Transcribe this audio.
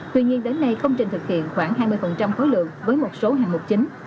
tuy nhiên đến nay công trình thực hiện khoảng hai mươi khối lượng với một số hạng mục chính